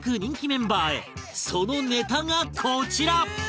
そのネタがこちら！